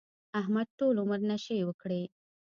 احمد ټول عمر نشې وکړې.